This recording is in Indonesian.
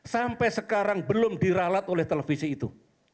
sampai sekarang belum diralat oleh televisi itu